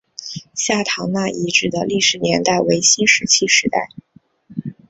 下堂那遗址的历史年代为新石器时代。